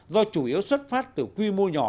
do chủ yếu xuất phát từ quy mô nhỏ